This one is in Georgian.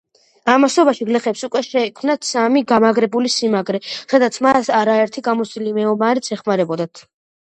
ამასობაში გლეხებს უკვე შეექმნათ სამი გამაგრებული სიმაგრე, სადაც მათ არაერთი გამოცდილი მეომარიც ეხმარებოდათ.